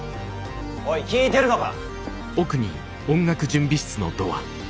おい聞いてるのか！